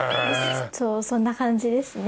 そんな感じですね。